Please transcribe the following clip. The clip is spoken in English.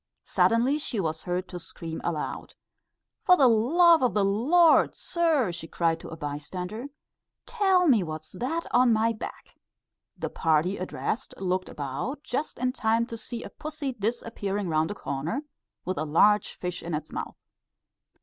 Suddenly she was heard to scream aloud. "For the love o' the Lord, sir," she cried to a bystander, "tell me what's that on my back." The party addressed looked about, just in time to see a pussy disappearing round a corner, with a large fish in its mouth.